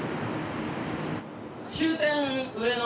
終点上野。